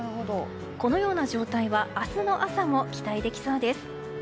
このような状態は明日の朝も期待できそうです。